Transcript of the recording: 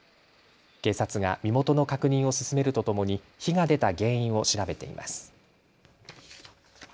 警察が身元の確認を進めるとともに火が出た原因を調べています。